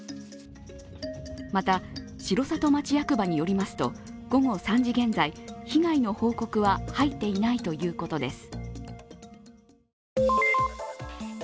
また城里町役場によりますと午後３時現在被害の報告は入っていないということです。